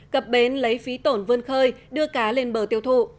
cập bến lấy phí tổn vươn khơi đưa cá lên bờ tiêu thụ